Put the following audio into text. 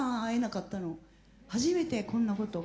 初めてこんなことが。